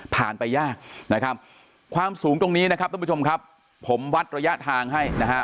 ไปยากนะครับความสูงตรงนี้นะครับท่านผู้ชมครับผมวัดระยะทางให้นะฮะ